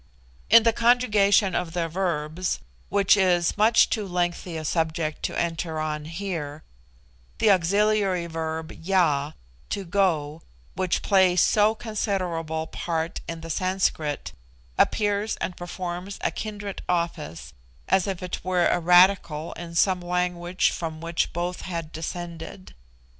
In the conjugation of their verbs, which is much too lengthy a subject to enter on here, the auxiliary verb Ya, "to go," which plays so considerable part in the Sanskrit, appears and performs a kindred office, as if it were a radical in some language from which both had descended.